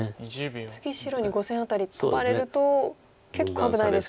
次白に５線辺りトバれると結構危ないですか。